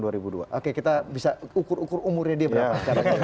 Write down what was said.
oke kita bisa ukur ukur umurnya dia